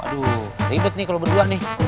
aduh ribet nih kalau berdua nih